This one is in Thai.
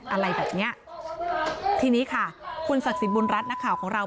อะไรแบบเนี้ยทีนี้ค่ะคุณศักดิ์สิทธิบุญรัฐนักข่าวของเรา